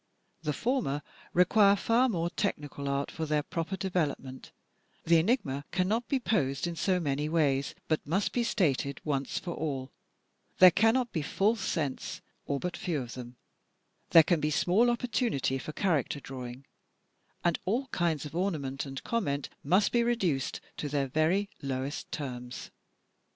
The former require far more technical art for their proper development; the enigma cannot be posed in so many ways, but must be stated once for all ; there cannot be false scents, or but a few of them; there can be small oppor STRUCTURE 283 tunity for character drawing, and all kinds of ornament and comment must be reduced to their very lowest terms.